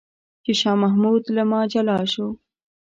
چې شاه محمود له ما جلا شو.